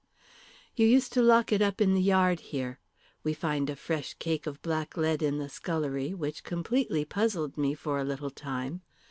"You used to lock it up in the yard here. We find a fresh cake of blacklead in the scullery, which completely puzzled me for a little time.